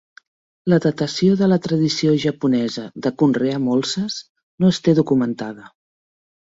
La datació de la tradició japonesa de conrear molses no es té documentada.